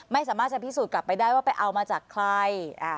ไม่สามารถจะพิสูจน์กลับไปได้ว่าไปเอามาจากใคร